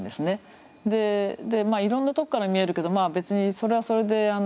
でいろんなとこから見えるけど別にそれはそれで。